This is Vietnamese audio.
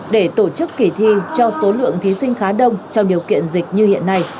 để tổ chức kỳ thi cho số lượng thí sinh khá đông trong điều kiện dịch như hiện nay